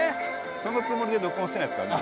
そのつもりで録音してないですからね。